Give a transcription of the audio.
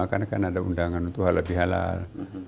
karena kan ada undangan untuk halal bihalal